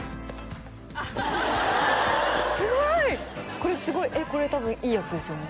これすごいこれ多分いいやつですよね？